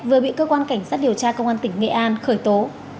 vừa bị cơ quan cảnh sát điều tra công an tỉnh nghệ an khởi tố